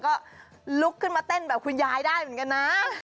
ก็ลุกขึ้นมาเต้นแบบคุณยายได้เหมือนกันนะ